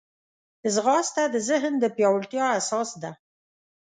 ځغاسته د ذهن د پیاوړتیا اساس ده